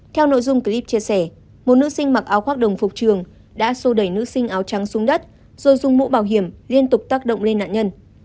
theo nội dung clip chia sẻ một nữ sinh mặc áo khoác đồng phục trường đã sô đẩy nữ sinh áo trắng xuống đất rồi dùng mũ bảo hiểm liên tục tác động lên nạn nhân